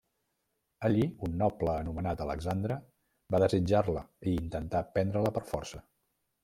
Allí, un noble anomenat Alexandre va desitjar-la i intentà prendre-la per força.